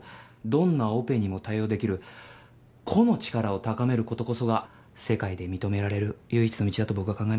どんなオペにも対応出来る「個」の力を高める事こそが世界で認められる唯一の道だと僕は考えます。